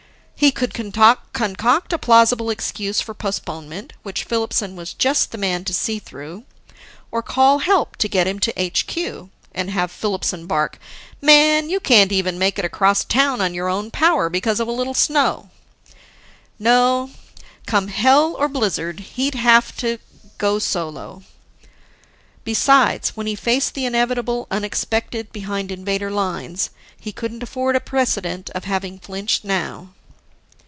He could concoct a plausible excuse for postponement which Filipson was just the man to see through; or call help to get him to HQ and have Filipson bark, "Man, you can't even make it across town on your own power because of a little snow." No, come hell or blizzard, he'd have to go solo. Besides, when he faced the inevitable unexpected behind Invader lines, he couldn't afford a precedent of having flinched now.